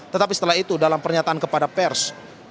tetapi setelah itu dalam pernyataan kepada pers